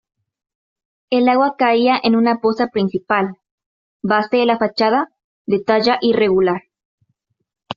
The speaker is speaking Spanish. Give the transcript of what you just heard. El agua caía a una poza principal, base de la fachada, de talla irregular.